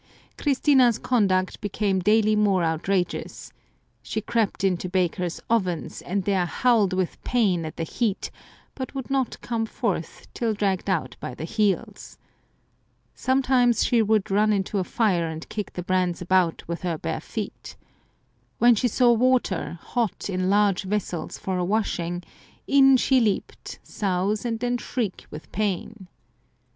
Christina's conduct became daily more outrageous. She crept into bakers' ovens, and there howled with pain at the heat, but would not come forth, till dragged out by the heels. Sometimes she would run into a fire and kick the brands about with her bare feet. When she saw water hot in large vessels for a washing, in she leaped, souse, and then shrieked with the pain.